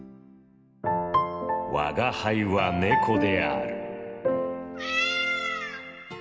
「吾輩は猫である。